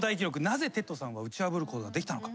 なぜテッドさんは打ち破ることができたのか？